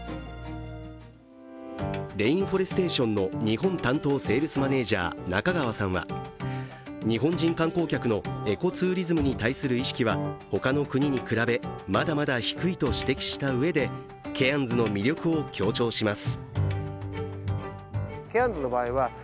レインフォレステーションの日本担当セールスマネージャー、中川さんは日本人観光客のエコツーリズムに対する意識は他の国に比べまだまだ低いと指摘したうえでケアンズの魅力を強調します。